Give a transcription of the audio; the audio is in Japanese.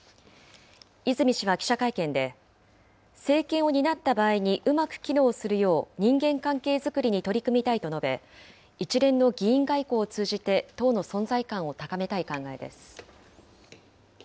泉氏は記者会見で、政権を担った場合にうまく機能するよう人間関係作りに取り組みたいと述べ、一連の議員外交を通じて党の存在感を高めたい考えです。